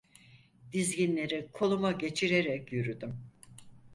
Dizginleri koluma geçirerek yürüdüm.